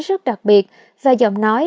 rất đặc biệt và giọng nói